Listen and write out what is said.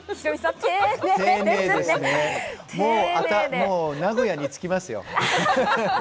もう名古屋に着きますよ。